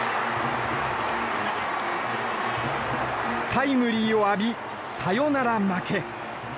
タイムリーを浴びサヨナラ負け。